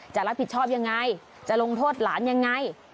จะรับผิดชอบยังไงจะลงโทษหลานยังไง